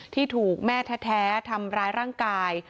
ที่ถูกแม่แท้ทำร้ายร่างกาย